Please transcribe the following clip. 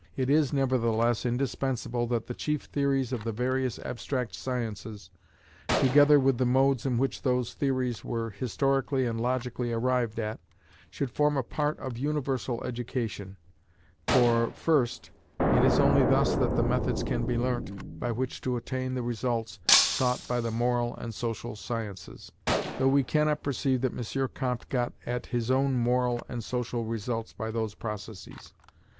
It is nevertheless indispensable that the chief theories of the various abstract sciences, together with the modes in which those theories were historically and logically arrived at, should form a part of universal education: for, first, it is only thus that the methods can be learnt, by which to attain the results sought by the moral and social sciences: though we cannot perceive that M. Comte got at his own moral and social results by those processes.